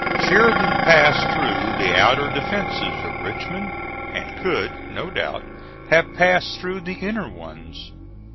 Sheridan passed through the outer defences of Richmond, and could, no doubt, have passed through the inner ones.